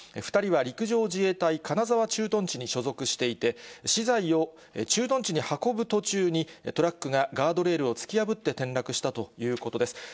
２人は陸上自衛隊かなざわ駐屯地に所属していて、資材を駐屯地に運ぶ途中に、トラックがガードレールを突き破って転落したということです。